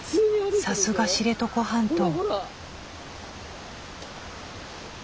さすが知床半島。